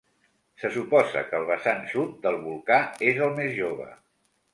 Se suposa que el vessant sud del volcà és el més jove.